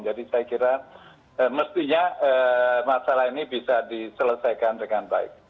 jadi saya kira mestinya masalah ini bisa diselesaikan dengan baik